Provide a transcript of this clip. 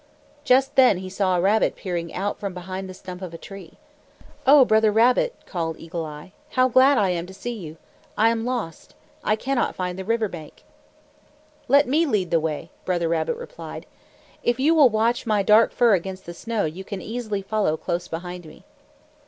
Just then he saw a rabbit peering out from behind the stump of a tree. "O Brother Rabbit!" called Eagle Eye. "How glad I am to see you! I am lost. I cannot find the river bank." "Let me lead the way," Brother Rabbit replied. "If you will watch my dark fur against the snow, you can easily follow close behind me."